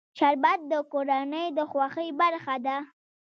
شربت د کورنۍ د خوښۍ برخه ده